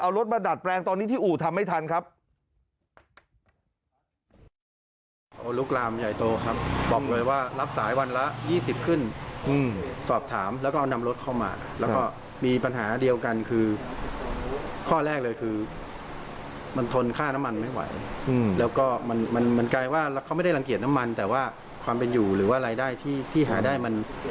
เอารถมาดัดแปลงตอนนี้ที่อู่ทำไม่ทันครับ